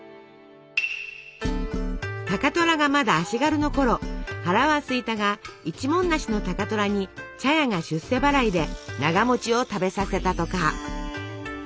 高虎がまだ足軽のころ腹はすいたが一文無しの高虎に茶屋が出世払いでながを食べさせたとか。